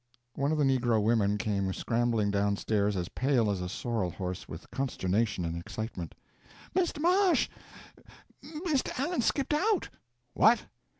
One of the negro women came scrambling down stairs as pale as a sorrel horse with consternation and excitement: "Misto Marsh, Misto Allen's skipped out!" "What!"